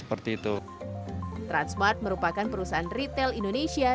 ada di kita kemudian kita lagi yang kami mempersiapkan makan nos padaya